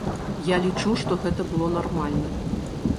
Я лічу, што гэта было нармальна.